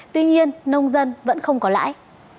tuy nhiên nông dân vẫn không có lãi